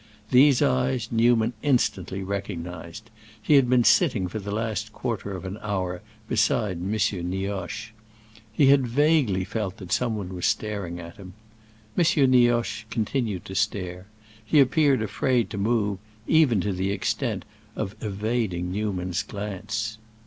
These eyes Newman instantly recognized; he had been sitting for the last quarter of an hour beside M. Nioche. He had vaguely felt that someone was staring at him. M. Nioche continued to stare; he appeared afraid to move, even to the extent of evading Newman's glance.